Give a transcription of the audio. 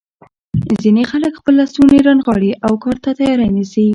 ځینې خلک خپل لستوڼي رانغاړي او کار ته تیاری نیسي.